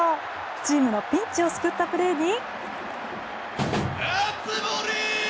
チームのピンチを救ったプレーに。